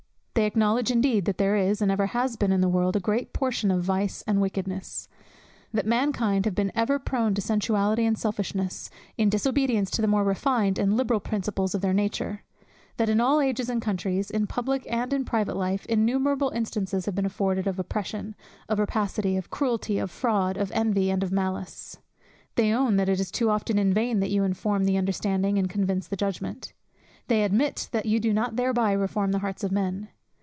They acknowledge indeed that there is, and ever has been in the world, a great portion of vice and wickedness; that mankind have been ever prone to sensuality and selfishness, in disobedience to the more refined and liberal principles of their nature; that in all ages and countries, in public and in private life, innumerable instances have been afforded of oppression, of rapacity, of cruelty, of fraud, of envy, and of malice. They own that it is too often in vain that you inform the understanding, and convince the judgment. They admit that you do not thereby reform the hearts of men.